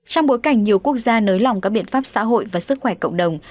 trong bối cảnh nhiều quốc gia nới lỏng các biện pháp xã hội và sức khỏe cộng đồng